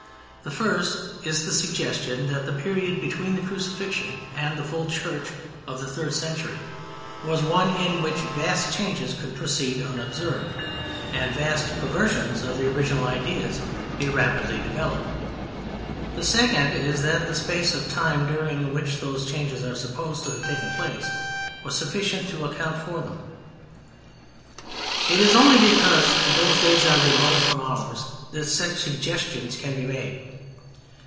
The first is the suggestion that the period between the Crucifixion and the full Church of the third century was one in which vast changes could proceed unobserved, and vast perversions of original ideas be rapidly developed; the second is that the space of time during which those changes are supposed to have taken place was sufficient to account for them. It is only because those days are remote from ours that such suggestions can be made.